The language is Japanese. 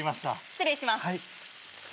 失礼します。